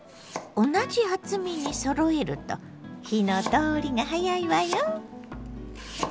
同じ厚みにそろえると火の通りが早いわよ。